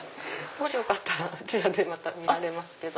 もしよかったらあちらで見られますけど。